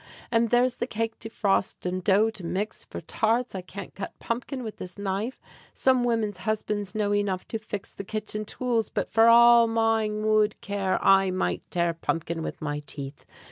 And there's the cake to frost, and dough to mix For tarts. I can't cut pumpkin with this knife! Some women's husbands know enough to fix The kitchen tools; but, for all mine would care, I might tear pumpkin with my teeth.